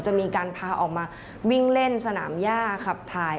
จะมีการพาออกมาวิ่งเล่นสนามย่าขับถ่าย